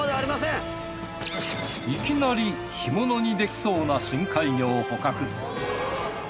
いきなり干物にできそうな深海魚を捕獲！